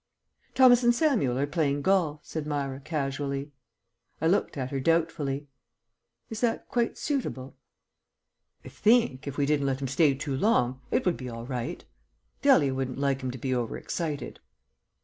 "Thomas and Samuel are playing golf," said Myra casually. I looked at her doubtfully. "Is that quite suitable?" "I think if we didn't let him stay too long it would be all right. Dahlia wouldn't like him to be overexcited."